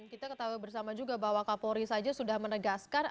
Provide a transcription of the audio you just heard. kita ketahui bersama juga bahwa kapolri saja sudah menegaskan